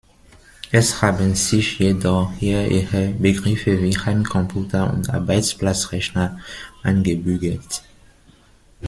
Es haben sich jedoch hier eher Begriffe wie Heimcomputer und Arbeitsplatzrechner eingebürgert.